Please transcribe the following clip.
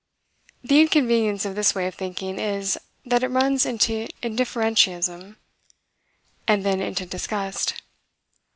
The inconvenience of this way of thinking is, that it runs into indifferentism, and then into disgust.